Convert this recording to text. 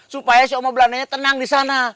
supaya si oma belandanya tenang di sana